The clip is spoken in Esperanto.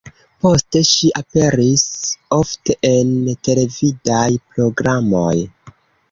Poste ŝi aperis ofte en televidaj programoj.